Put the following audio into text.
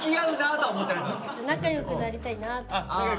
仲良くなりたい。